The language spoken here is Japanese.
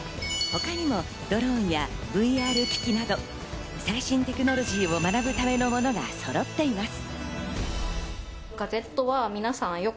他にもドローンやＶＲ機器など、最新テクノロジーを学ぶためのものがそろっています。